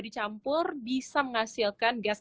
dicampur bisa menghasilkan gas